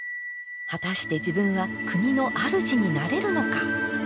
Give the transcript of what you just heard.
果たして自分は国のあるじになれるのか。